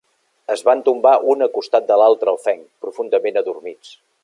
Es van tombar un a costat de l'altre al fenc, profundament adormits.